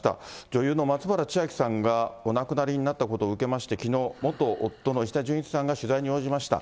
女優の松原千明さんがお亡くなりになったことを受けまして、きのう、元夫の石田純一さんが取材に応じました。